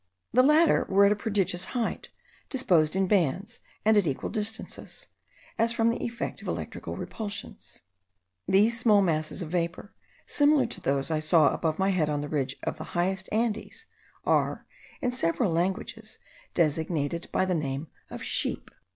The latter were at a prodigious height, disposed in bands, and at equal distances, as from the effect of electric repulsions: these small masses of vapour, similar to those I saw above my head on the ridge of the highest Andes, are, in several languages, designated by the name of sheep.